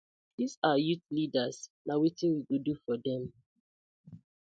Dis our youth leaders na wetin we go do for dem.